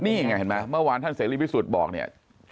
นี่ยังไงเห็นมั้ยเมื่อวานท่านเสรีพิสูจน์บอกเนี่ย